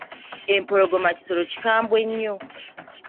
Empologoma kisolo kikambwe nnyo.